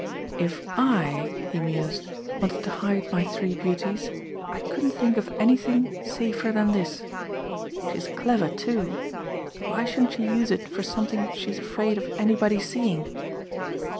"If I," he mused, "wanted to hide my three beauties I couldn't think of anything safer than this. She's clever, too. Why shouldn't she use it for something she's afraid of anybody seeing?"